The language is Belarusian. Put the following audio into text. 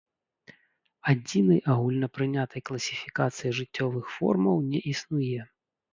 Адзінай агульнапрынятай класіфікацыі жыццёвых формаў не існуе.